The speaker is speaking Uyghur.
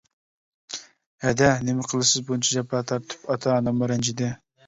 -ھەدە، نېمە قىلىسىز بۇنچە جاپا تارتىپ؟ ئاتا-ئاناممۇ رەنجىدى.